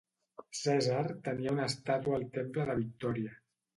Cèsar tenia una estàtua al temple de Victòria.